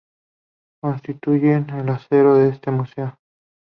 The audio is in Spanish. Constituyen el acervo de este museo.